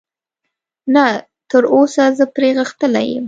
نه، تراوسه زه پرې غښتلی یم.